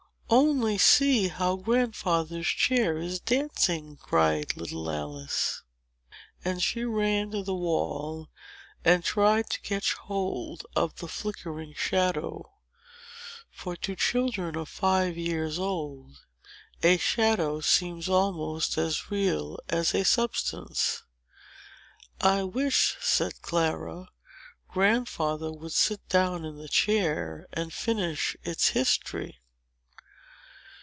"Only see how grandfather's chair is dancing!" cried little Alice. And she ran to the wall, and tried to catch hold of the flickering shadow; for to children of five years old, a shadow seems almost as real as a substance. "I wish," said Clara, "Grandfather would sit down in the chair, and finish its history."